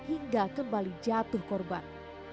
hingga kembali jatuh korban